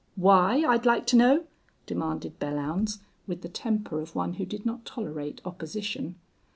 "Why, I'd like to know?" demanded Belllounds, with the temper of one who did not tolerate opposition.